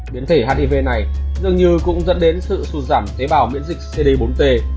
biến thể hiv này dường như cũng dẫn đến sự sụt giảm tế bào miễn dịch cd bốn t